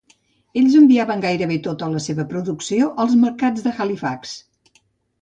Ells enviaven gairebé tota la seva producció als mercats de Halifax.